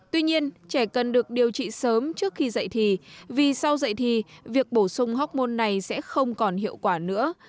tuy nhiên trẻ cần được điều trị sớm trước khi dạy thì vì sau dạy thì việc bổ sung hóc môn này sẽ không còn hiệu quả nữa